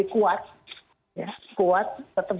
kuat kuat tetap